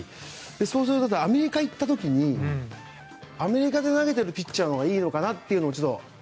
そうするとアメリカに行った時にアメリカで投げているピッチャーのほうがいいのかなというのも。